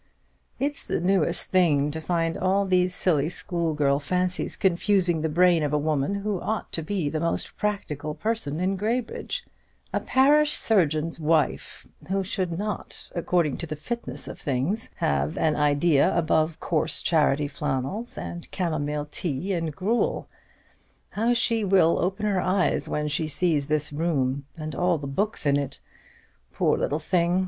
It's the newest thing to find all these silly school girl fancies confusing the brain of a woman who ought to be the most practical person in Graybridge, a parish surgeon's wife, who should not, according to the fitness of things, have an idea above coarse charity flannels and camomile tea and gruel. How she will open her eyes when she sees this room; and all the books in it! Poor little thing!